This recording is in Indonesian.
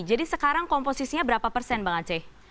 jadi sekarang komposisinya berapa persen bang aceh